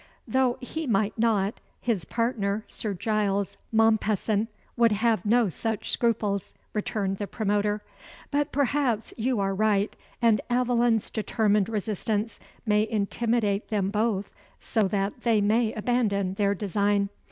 "Though he might not, his partner, Sir Giles Mompesson, would have no such scruples," returned the promoter. "But perhaps you are right, and Aveline's determined resistance may intimidate them both so that they may abandon their design.